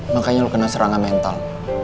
makanya lu kena serangan mental